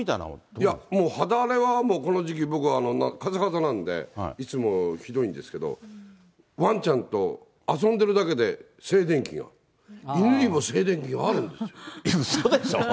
いやもう、肌荒れはこの時期、僕はかさかさなんで、いつもひどいんですけど、ワンちゃんと遊んでるだけで静電気が、うそでしょ？